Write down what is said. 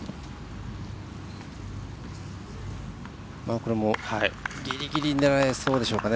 これもギリギリ狙えそうでしょうかね。